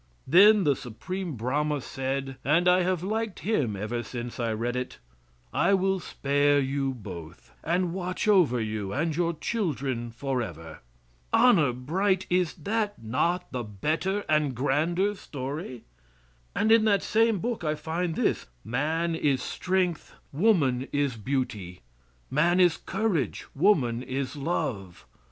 Then the Supreme Brahma said and I have liked him ever since I read it "I will spare you both, and watch over you and your children forever." Honor bright, is that not the better and grander story? And in that same book I find this "Man is strength, woman is beauty; man is courage, woman is love.